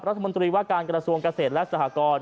รัฐมนตรีว่าการกระทรวงเกษตรและสหกร